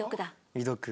未読。